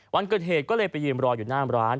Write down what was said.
วันเกิดเหตุก็เลยไปยืนรออยู่หน้าร้าน